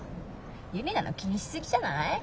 ユリナの気にしすぎじゃない？